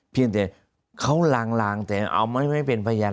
เพียงแต่เขาลางแต่เอาไว้ไม่เป็นพยาน